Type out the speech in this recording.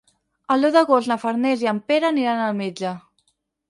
El deu d'agost na Farners i en Pere aniran al metge.